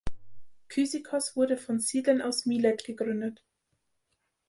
Kyzikos wurde von Siedlern aus Milet gegründet.